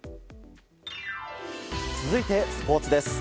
続いて、スポーツです。